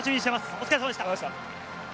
お疲れさまでした。